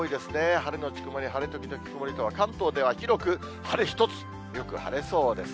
晴れ後曇り、晴れ時々曇りと、関東では広く晴れ１つ、よく晴れそうです。